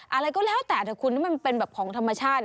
อะไรก็แล้วแต่แต่คุณนี่มันเป็นแบบของธรรมชาติ